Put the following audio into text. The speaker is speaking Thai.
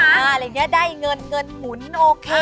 อะไรอย่างนี้ได้เงินเงินหมุนโอเค